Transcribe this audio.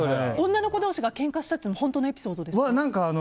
女の子同士がけんかしたっていうのは本当のエピソードですか？